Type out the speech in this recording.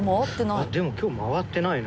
あっでも今日回ってないな。